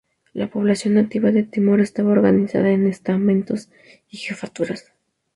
La población nativa de Timor estaba organizada en estamentos y jefaturas.